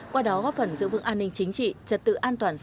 qua đó góp phần giữ vững an ninh chính trị trật tự an toàn dân tộc